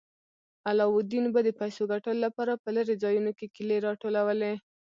علاوالدین به د پیسو ګټلو لپاره په لیرې ځایونو کې کیلې راټولولې.